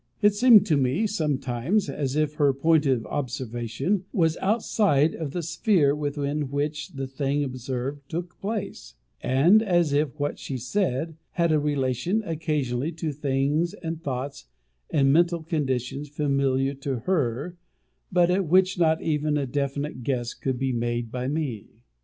It seemed to me, sometimes, as if her point of observation was outside of the sphere within which the thing observed took place; and as if what she said, had a relation, occasionally, to things and thoughts and mental conditions familiar to her, but at which not even a definite guess could be made by me.